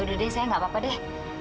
sudah deh sayang gak apa apa deh